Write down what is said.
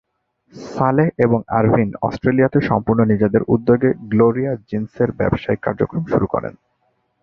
সালেহ এবং আরভিন অস্ট্রেলিয়াতে সম্পূর্ণ নিজেদের উদ্যোগে গ্লোরিয়া জিন’সের ব্যবসায়িক কার্যক্রম শুরু করেন।